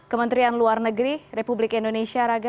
kementerian luar negeri republik indonesia raga